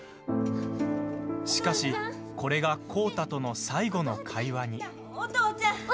しかし、これが浩太との最後の会話に。